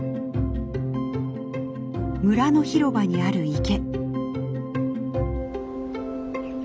村の広場にある池。